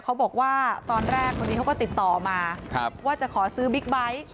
เขาบอกว่าตอนแรกคนนี้เขาก็ติดต่อมาว่าจะขอซื้อบิ๊กไบท์